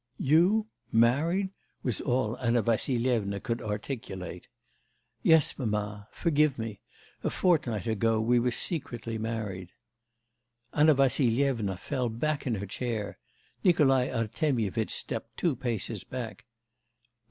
'You? married?' was all Anna Vassilyevna could articulate. 'Yes, mamma.... Forgive me. A fortnight ago, we were secretly married.' Anna Vassilyevna fell back in her chair; Nikolai Artemyevitch stepped two paces back.